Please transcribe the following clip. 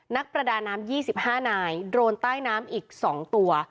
นักประดาน้ำ๒๕นายโดนใต้น้ำอีก๒ตัว